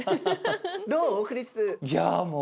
どう？